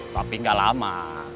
tapi gak lama